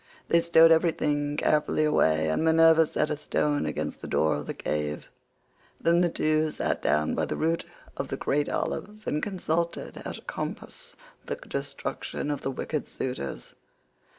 They stowed everything carefully away, and Minerva set a stone against the door of the cave. Then the two sat down by the root of the great olive, and consulted how to compass the destruction of the wicked suitors.